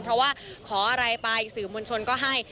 เพราะว่าขออะไรไปสื่อมวลชนก็ให้